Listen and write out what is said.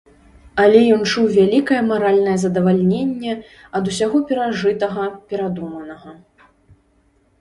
Але ён чуў вялікае маральнае задаваленне ад усяго перажытага, перадуманага.